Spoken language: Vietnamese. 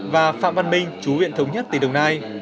và phạm văn minh chú huyện thống nhất tỉnh đồng nai